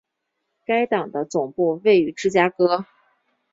该党的总部位于芝加哥。